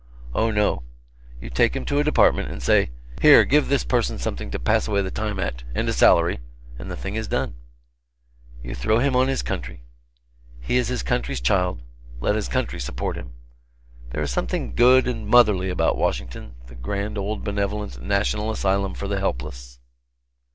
Oh, no: You take him to a Department and say, "Here, give this person something to pass away the time at and a salary" and the thing is done. You throw him on his country. He is his country's child, let his country support him. There is something good and motherly about Washington, the grand old benevolent National Asylum for the Helpless.